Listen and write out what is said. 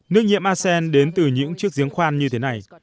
nước nhiễm asean đến từ những chiếc giếng khoan như thế này